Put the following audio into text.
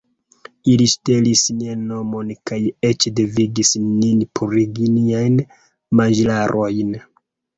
Ili ŝtelis nian monon kaj eĉ devigis nin purigi niajn manĝilarojn